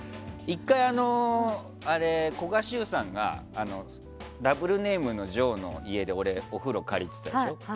１回、古賀シュウさんがダブルネームのジョーの家で俺、お風呂借りてたでしょ。